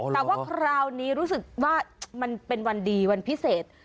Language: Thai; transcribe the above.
แต่ว่าคราวนี้รู้สึกว่ามันเป็นวันดีวันพิเศษ